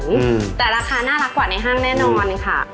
อืมแต่ราคาน่ารักกว่าในห้างแน่นอนค่ะ